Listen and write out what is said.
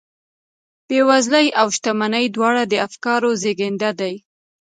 بېوزلي او شتمني دواړې د افکارو زېږنده دي